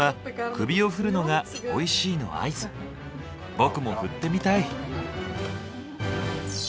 僕も振ってみたい！